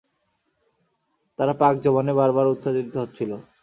তার পাক জবানে বার বার উচ্চারিত হচ্ছিল।